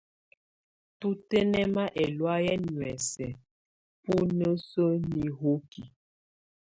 Tu tɛnɛma ɛlɔ̀áyɛ nuɛsɛ bu nisuǝ́ nihóki.